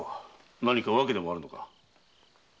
何か訳でもあるのか。